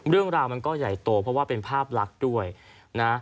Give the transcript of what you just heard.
เรื่องราวมันก็ใหญ่โตเพราะว่าเป็นภาพลักษณ์ด้วยนะ